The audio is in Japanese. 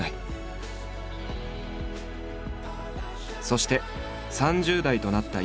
そして３０代となった